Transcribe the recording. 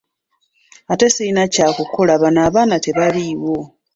Ate sirina kya kukola bano abaana tebaliwo.